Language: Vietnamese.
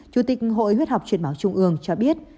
chủ tịch hội huyết học truyền máu trung ương cho biết